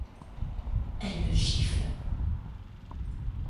Elle le gifle.